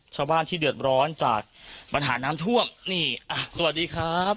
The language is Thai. ชาวบ้านที่เดือดร้อนจากปัญหาน้ำท่วมนี่อ่ะสวัสดีครับ